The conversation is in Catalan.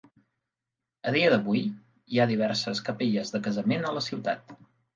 A dia d'avui, hi ha diverses capelles de casament a la ciutat.